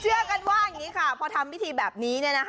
เชื่อกันว่าควรทำพิธีแบบนี้